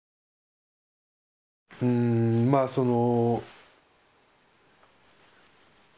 んまあその。